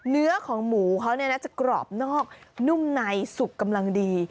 เนื้อของหมูเขาจะกรอบนอกนุ่มในสุกกำลังดี